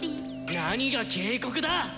何が警告だ！